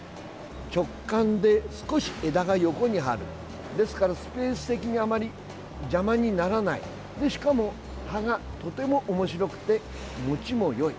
直管で少し枝が横に張るですからスペース的にあまり邪魔にならないでしかも葉がとてもおもしろくて持ちもよい。